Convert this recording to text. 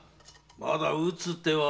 まだ打つ手はある。